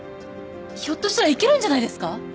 ひょっとしたらいけるんじゃないですか？